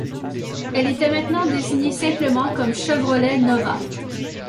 Elle était maintenant désignée simplement comme Chevrolet Nova.